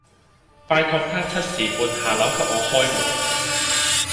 拜託她七時半下樓給我開門